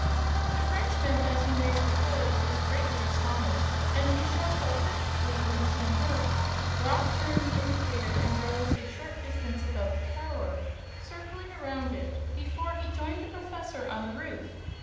The Frenchman, as you may suppose, was greatly astonished, and to show how perfectly the machine worked Rob turned the indicator and rose a short distance above the tower, circling around it before he rejoined the professor on the roof.